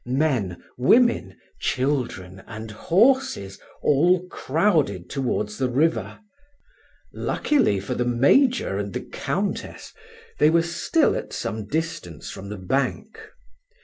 Men, women, children, and horses all crowded towards the river. Luckily for the major and the Countess, they were still at some distance from the bank.